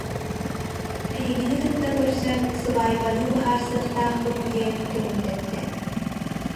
Эһигини кытта көрсөн, сыбаайбаны быһаарсыахтаахпыт диэн көҥүллэттэ